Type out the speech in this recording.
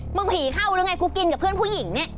ผีเข้าหรือไงกูกินกับเพื่อนผู้หญิงเนี่ย